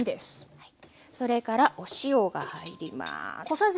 それからお塩が入ります。